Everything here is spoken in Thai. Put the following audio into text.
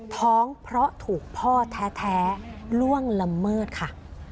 ท้องเพราะถูกพ่อแท้ล่วงละเมิดค่ะ